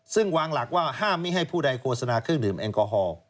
ซึ่งวางหลักว่าห้ามไม่ให้ผู้ใดโฆษณาเครื่องดื่มแอลกอฮอล์